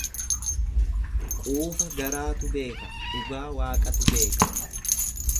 Quufa garaatu beeka, dhugaa Waaqatu beeka.